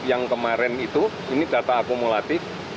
yang kemarin itu ini data akumulatif